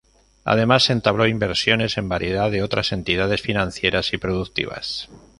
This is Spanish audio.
Además entabló inversiones en variedad de otras entidades, financieras y productivas.